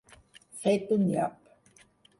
Fet un nyap.